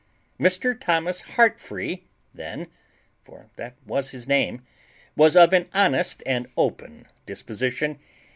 Mr. Thomas Heartfree then (for that was his name) was of an honest and open disposition.